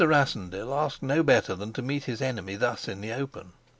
Rassendyll asked no better than to meet his enemy thus in the open.